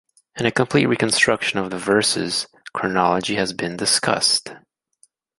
In a complete reconstruction of the verses' chronology has been discussed.